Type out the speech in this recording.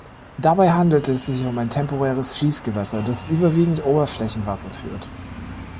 Dabei handelt es sich um ein temporäres Fließgewässer, das überwiegend Oberflächenwasser führt.